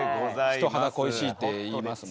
人肌恋しいって言いますもんね。